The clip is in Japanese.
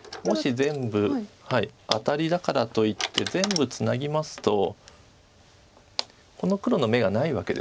もし全部アタリだからといって全部ツナぎますとこの黒の眼がないわけです。